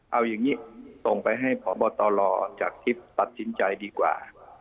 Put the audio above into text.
เอาอย่างนี้ส่งไปให้พบตรจากทิพย์ตัดสินใจดีกว่า